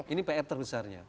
ini pr terbesarnya